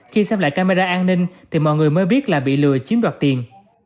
khi xem lại camera an ninh thì mọi người mới biết là bị lừa chiếm đoạt tiền